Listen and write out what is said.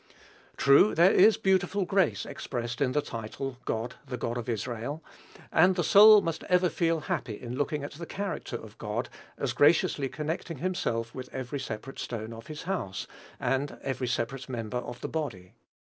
True, there is beautiful grace expressed in the title, "God, the God of Israel;" and the soul must ever feel happy in looking at the character of God, as graciously connecting himself with every separate stone of his house, and every separate member of the body.